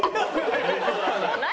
何？